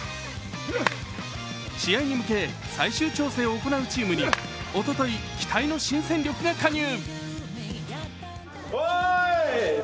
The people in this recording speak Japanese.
試合に向け、最終調整を行うチームにおととい期待の新戦力が加入。